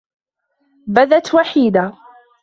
بدت وحيدة.